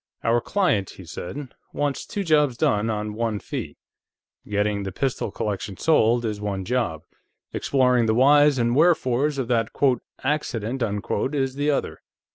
"Our client," he said, "wants two jobs done on one fee. Getting the pistol collection sold is one job. Exploring the whys and wherefores of that quote accident unquote is the other.